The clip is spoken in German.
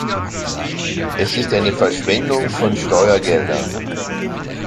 Es ist eine Verschwendung von Steuergeldern.